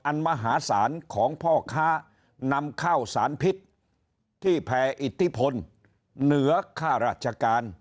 มหาศาลของพ่อค้านำข้าวสารพิษที่แผ่อิทธิพลเหนือค่าราชการ